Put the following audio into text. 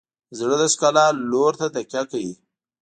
زړه د ښکلا لور ته تکیه کوي.